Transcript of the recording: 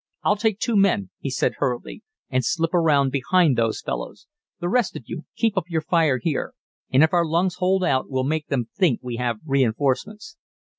"I'll take two men," he said hurriedly, "and slip around behind those fellows. The rest of you keep up your fire here, and if our lungs hold out we'll make them think we have reinforcements."